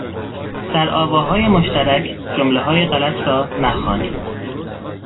در آواهای مشترک جملههای غلط را نخوانید